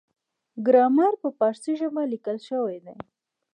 ګرامر په پارسي ژبه لیکل شوی دی.